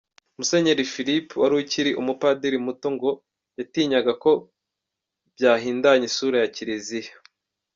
Musenyeri Philip wari ukiri umupadiri muto, ngo yatinyaga ko byahindanya isura ya kiliziya.